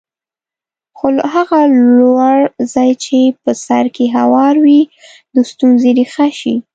خو هغه لوړ ځای چې په سر کې هوار وي د ستونزې ریښه شي.